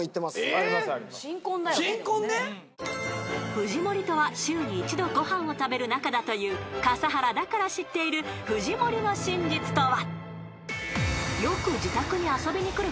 ［藤森とは週に一度ご飯を食べる仲だという笠原だから知っている藤森の真実とは？］